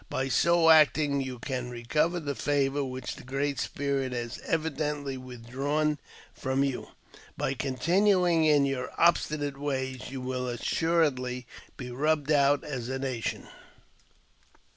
By so acting yoij may recover the favour which the Great Spirit has evidently withdrawn from you ; by continuing in your obstinate ways you will assuredly be rubbed out as a nation."